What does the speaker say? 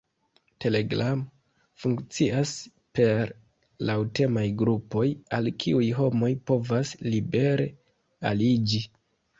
Telegram funkcias per laŭtemaj grupoj, al kiuj homoj povas libere aliĝi.